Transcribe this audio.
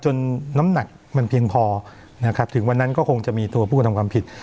น้ำหนักมันเพียงพอนะครับถึงวันนั้นก็คงจะมีตัวผู้กระทำความผิด